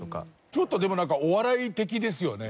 ちょっとでもなんかお笑い的ですよね。